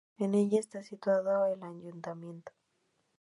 En ella está situado el Ayuntamiento.